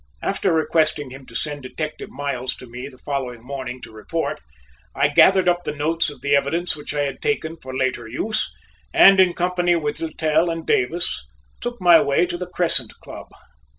After requesting him to send Detective Miles to me the following morning to report, I gathered up the notes of the evidence which I had taken for later use, and in company with Littell and Davis took my way to the Crescent Club.